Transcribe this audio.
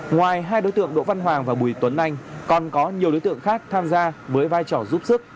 ngoài hai đối tượng đỗ văn hoàng và bùi tuấn anh còn có nhiều đối tượng khác tham gia với vai trò giúp sức